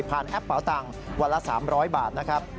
แอปเป๋าตังค์วันละ๓๐๐บาทนะครับ